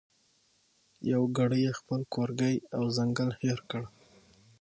یو ګړی یې خپل کورګی او ځنګل هېر کړ